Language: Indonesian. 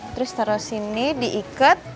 terus taro sini diikat